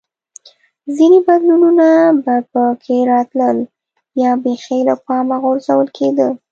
ځیني بدلونونه به په کې راتلل یا بېخي له پامه غورځول کېده